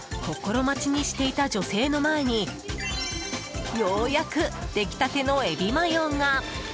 心待ちにしていた女性の前にようやく出来立てのエビマヨが！